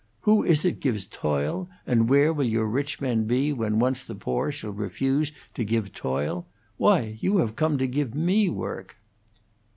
Who is it gives toil, and where will your rich men be when once the poor shall refuse to give toil? Why, you have come to give me work!"